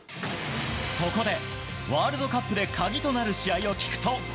そこで、ワールドカップで鍵となる試合を聞くと。